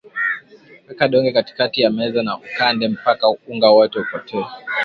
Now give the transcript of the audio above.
Weka donge katikati ya meza na ukande mpaka unga wote upotee